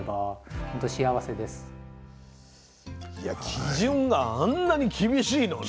基準があんなに厳しいのね。